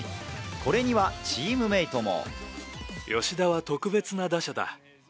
これにはチームメートも。